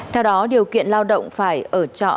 theo đó điều kiện lao động phải ở trọ